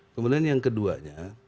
kemudian yang keduanya